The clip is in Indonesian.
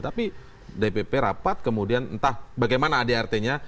tapi dpp rapat kemudian entah bagaimana adrt nya